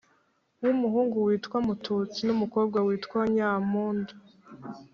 w umuhungu witwa Mututsi n umukobwa witwa Nyampundu